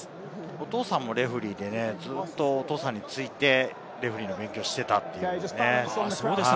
お父さんもレフェリーでね、ずっとお父さんについて、レフェリーの勉強をしていたんですよね。